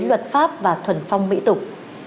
luật pháp và thuần phong mỹ tục